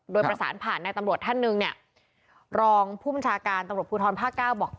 โดยประสานผ่านในตำรวจท่านหนึ่งเนี่ยรองผู้บัญชาการตำรวจภูทรภาคเก้าบอก